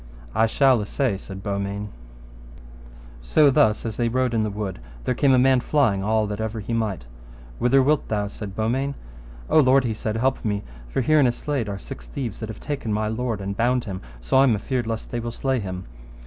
I shall assay, said Beaumains. So thus as they rode in the wood, there came a man flying all that ever he might. Whither wilt thou? said Beaumains. O lord, he said, help me, for here by in a slade are six thieves that have taken my lord and bound him, so I am afeard lest they will slay him.